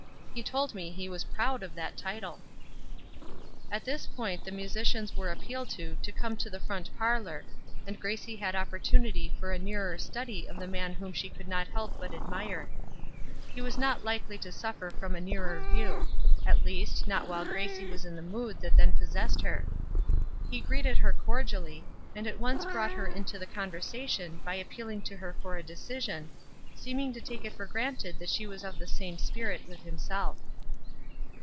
He told me he was proud of that title." At this point the musicians were appealed to to come to the front parlor, and Gracie had opportunity for a nearer study of the man whom she could not help but admire. He was not likely to suffer from a nearer view; at least, not while Gracie was in the mood that then possessed her. He greeted her cordially, and at once brought her into the conversation by appealing to her for a decision, seeming to take it for granted that she was of the same spirit with himself.